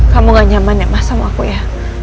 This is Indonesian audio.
kamu gak nyaman ya mas sama aku ya